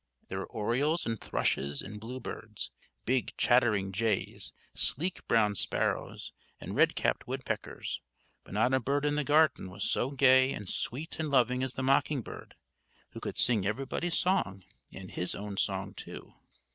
There were orioles and thrushes and bluebirds, big chattering jays, sleek brown sparrows, and red capped woodpeckers; but not a bird in the garden was so gay and sweet and loving as the mocking bird, who could sing everybody's song and his own song, too.